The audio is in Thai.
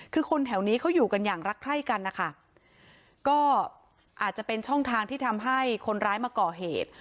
คือคนแถวนี้เขาอยู่กันอย่างรักใคร่กันนะคะก็อาจจะเป็นช่องทางที่ทำให้คนร้ายมาก่อเหตุ